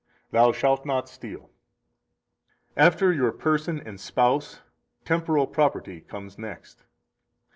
222 Thou shalt not steal. 223 After your person and spouse temporal property comes next.